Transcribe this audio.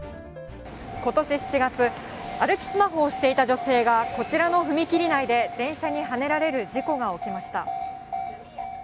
ことし７月、歩きスマホをしていた女性がこちらの踏切内で電車にはねられる事故が起きました。